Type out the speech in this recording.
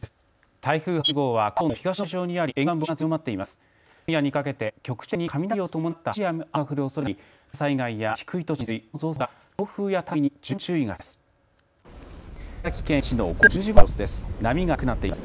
台風８号は関東の東の海上にあり沿岸部を中心に風が強まっています。